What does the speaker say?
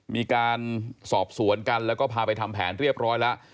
มีการสอบสวนกันแล้วก็พาไปทำแผนเรียบร้อยแล้ว